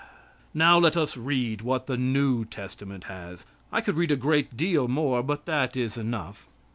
Now let us read what the New Testament has. I could read a great deal more, but that is enough.